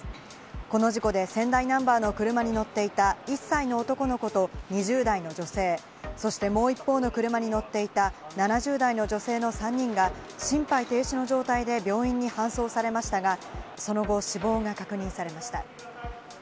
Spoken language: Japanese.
この事故で仙台ナンバーの車に乗っていた１歳の男の子と２０代の女性、そしてもう一方の車に乗っていた７０代の女性の３人が心肺停止の状態で病院に搬送されましたが、その後、死亡が確認されました。